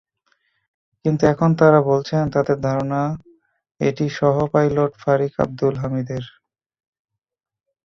কিন্তু এখন তাঁরা বলছেন, তাঁদের ধারণা, এটি সহ-পাইলট ফারিক আবদুল হামিদের।